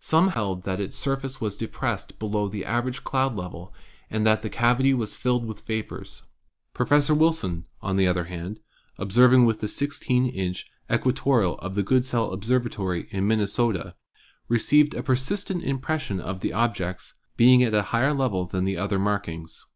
Some held that its surface was depressed below the average cloud level and that the cavity was filled with vapors. Professor Wilson, on the other hand, observing with the 1 6 inch equatorial of the Goodsell Observatory in Minnesota, received a persistent impression of the object's 'being at a higher level than the other markings.'